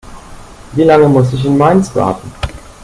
Wie lange muss ich in Mainz warten?